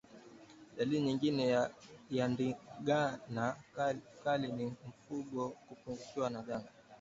Dalili nyingine ya ndigana kali ni mfugo kupungukiwa na damu